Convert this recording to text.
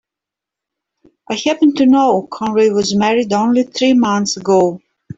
I happen to know Conway was married only three months ago.